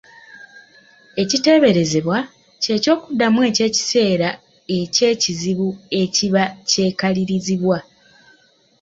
Ekiteeberezebwa, kye ky’okuddamu eky’ekiseera eky’ekizibu ekiba kyekalirizibwa.